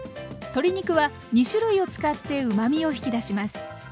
鶏肉は２種類を使ってうまみを引き出します。